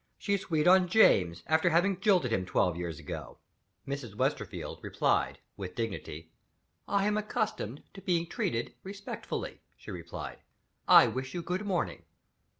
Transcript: "She's sweet on James, after having jilted him twelve years ago!" Mrs. Westerfield replied with dignity. "I am accustomed to be treated respectfully," she replied. "I wish you good morning."